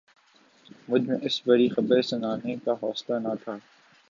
مجھ میں اسے بری خبر سنانے کا حوصلہ نہ تھا